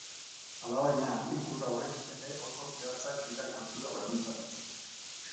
Alabaina, ikur hauek ere oso zehatzak dira kultura bakoitzarentzat.